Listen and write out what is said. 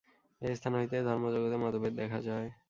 এই স্থান হইতেই ধর্মজগতে মতভেদ দেখা যায়।